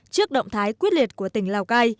trước động thái quyết liệt của tỉnh lào cai